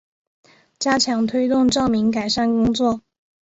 加强推动照明改善工作